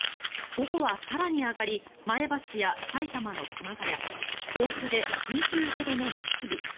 午後は更に上がり前橋や埼玉の熊谷、甲府で２５度の夏日